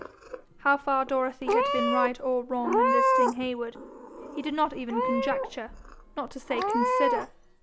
How far Dorothy had been right or wrong in visiting Heywood, he did not even conjecture, not to say consider.